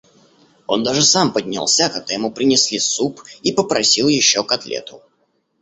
Он даже сам поднялся, когда ему принесли суп, и попросил еще котлету.